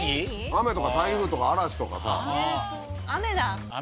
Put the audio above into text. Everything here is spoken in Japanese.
雨とか台風とか嵐とかさ。